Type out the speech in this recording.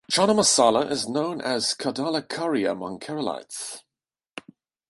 Chana masala is known as "kadala curry" among Keralites.